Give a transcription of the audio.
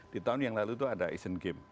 di tahun yang lalu itu ada asian games